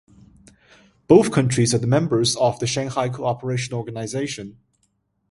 Both countries are members of the Shanghai Cooperation Organization.